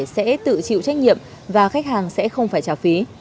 sẽ tự chịu trách nhiệm và khách hàng sẽ không phải trả phí